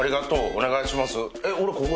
お願いします。